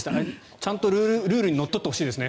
ちゃんとルールにのっとってほしいですね。